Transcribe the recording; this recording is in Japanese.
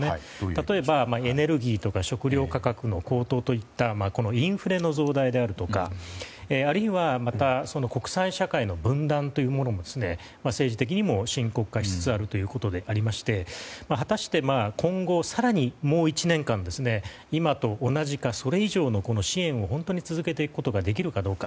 例えば、エネルギーとか食糧価格の高騰といったインフレの増大であるとかあるいは国際社会の分断というものも政治的にも深刻化しつつあるということで果たして、今後更にもう１年間今と同じか、それ以上の支援を本当に続けていくことができるかどうか。